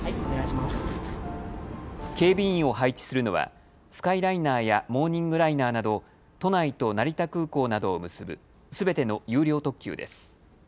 警備員を配置するのはスカイライナーやモーニングライナーなど都内と成田空港などを結ぶすべての有料特急です。